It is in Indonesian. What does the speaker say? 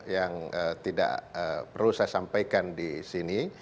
yang tidak perlu saya sampaikan di sini